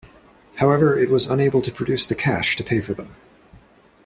However it was unable to produce the cash to pay for them.